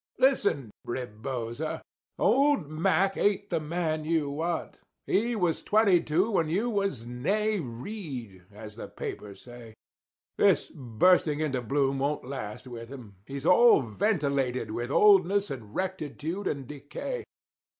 Listen, Rebosa. Old Mack ain't the man you want. He was twenty two when you was née Reed, as the papers say. This bursting into bloom won't last with him. He's all ventilated with oldness and rectitude and decay.